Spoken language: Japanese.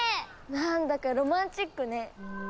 何だかロマンチックね。